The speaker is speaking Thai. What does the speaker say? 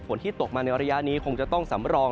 ที่ตกมาในระยะนี้คงจะต้องสำรอง